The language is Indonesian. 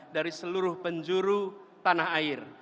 dari seluruh penjuru tanah air